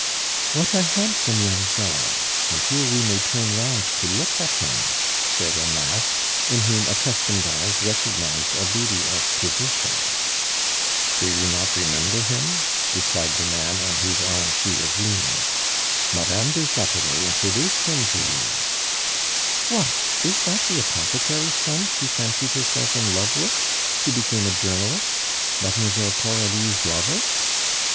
"What a handsome young fellow; and here we may turn round to look at him," said a mask, in whom accustomed eyes recognized a lady of position. "Do you not remember him?" replied the man on whose arm she was leaning. "Madame du Chatelet introduced him to you " "What, is that the apothecary's son she fancied herself in love with, who became a journalist, Mademoiselle Coralie's lover?"